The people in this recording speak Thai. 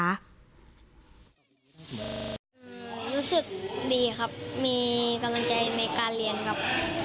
รู้สึกดีครับมีกำลังใจในการเรียนแบบ